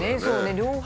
両方。